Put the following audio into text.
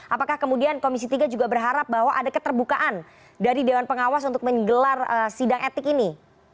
apakah kemudian komisi tiga juga berharap bahwa ada keterbukaan dari dewan pengawas untuk menggelar sidang etik ini